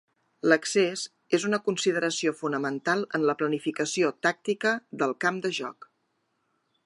L'excés és una consideració fonamental en la planificació tàctica del camp de joc.